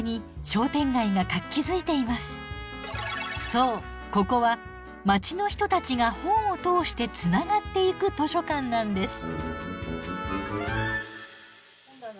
そうここは街の人たちが本を通してつながっていく図書館なんです。